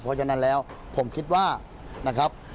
เพราะฉะนั้นแล้วผมคิดว่านะครับ